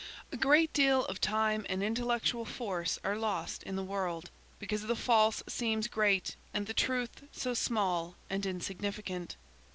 A great deal of time and intellectual force are lost in the world, because the false seems great and the truth so small and insignificant.